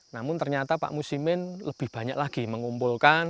namun ternyata pak musimin lebih banyak lagi mengumpulkan